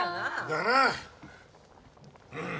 だな。